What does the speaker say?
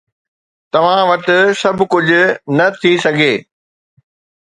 توهان وٽ سڀ ڪجهه نه ٿي سگهي.